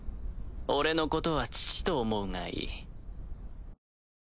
俺のことは父と思うがいい